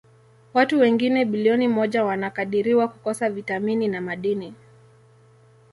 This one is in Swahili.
Watu wengine bilioni moja wanakadiriwa kukosa vitamini na madini.